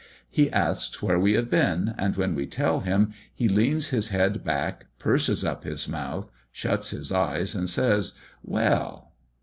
He asks where we have been; and when we tell him, he leans his head back, purses up his mouth, shuts his eyes, and says "Well?"